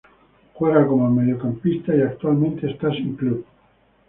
Juega como mediocampista y actualmente está sin club.